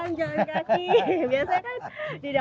nah ini ya pernah beneran